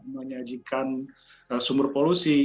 menyajikan sumber polusi